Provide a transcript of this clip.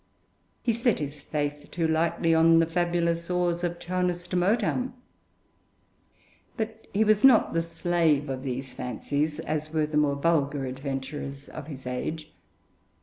He set his faith too lightly on the fabulous ores of Chaunis Temotam. But he was not the slave of these fancies, as were the more vulgar adventurers of his age.